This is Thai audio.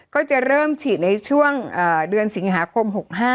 ก็จะเริ่มฉีดในช่วงเดือนสิงหาคม๖๕